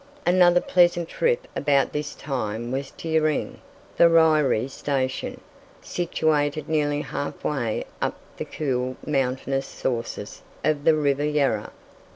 Another pleasant trip about this time was to Yering, the Ryries' station, situated nearly half way up to the cool mountainous sources of the River Yarra.